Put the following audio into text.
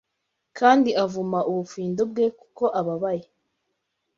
Kandi avuma ubufindo bwe kuko ababaye